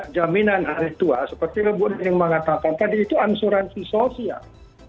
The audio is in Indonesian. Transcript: jaminan hari tua seperti yang bu neneng mengatakan tadi itu ansuransi sosial